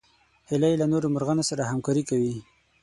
هیلۍ له نورو مرغانو سره همکاري کوي